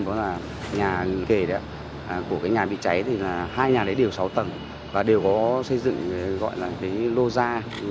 đó là nhà kề của cái nhà bị cháy hai nhà đấy đều sáu tầng và đều có xây dựng gọi là cái lô ra